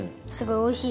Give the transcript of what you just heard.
おいしい？